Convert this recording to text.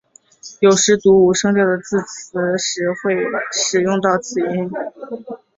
有时读无声调的字词时会使用到此音。